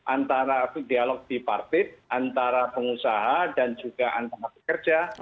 antara dialog di partit antara pengusaha dan juga antara pekerja